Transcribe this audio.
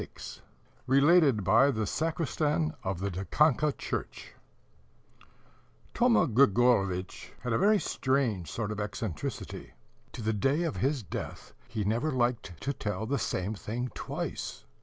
"] (RELATED BY THE SACRISTAN OF THE DIKANKA CHURCH) Thoma Grigorovitch had a very strange sort of eccentricity: to the day of his death he never liked to tell the same thing twice.